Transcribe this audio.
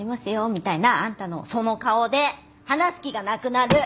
みたいなあんたのその顔で話す気がなくなる！